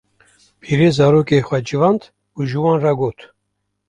pîrê zarokên xwe civand û ji wan re got: